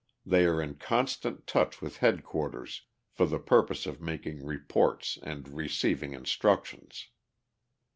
They are in constant touch with headquarters for the purpose of making reports and receiving instructions.